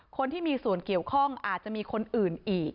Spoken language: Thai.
คนที่มีส่วนเกี่ยวข้องอาจจะมีคนอื่นอีก